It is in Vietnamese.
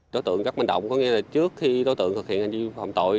đối tượng các manh động có nghĩa là trước khi đối tượng thực hiện hành vi phòng tội